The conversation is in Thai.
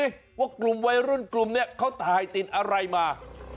ว่ากลุ่มวัยรุ่นกลุ่มนี้เขาถ่ายติดอะไรมา